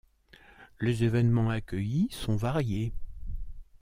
Les événements accueillis sont variés.